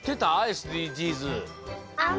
ＳＤＧｓ。